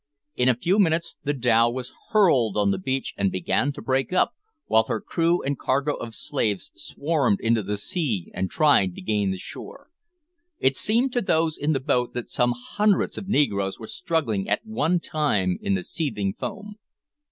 In a few minutes the dhow was hurled on the beach and began to break up, while her crew and cargo of slaves swarmed into the sea and tried to gain the shore. It seemed to those in the boat that some hundreds of negroes were struggling at one time in the seething foam.